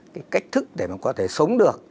cái cách thức để mà có thể sống được